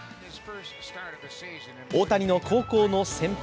大谷の高校の先輩